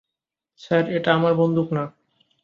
Sir, এটা আমার বন্দুক না।